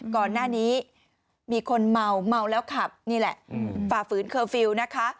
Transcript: ก่อนหน้านี้มีคนเมาเมาแล้วขับนี่แหละฝ่าฝืนเคอร์ฟิลล์นะคะ